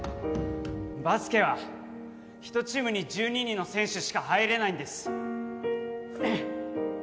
バスケは１チームに１２人の選手しか入れないんです